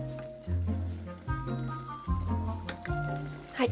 はい。